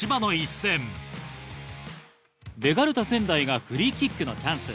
仙台がフリーキックのチャンス。